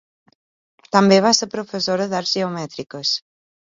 També va ser professora d'arts geomètriques.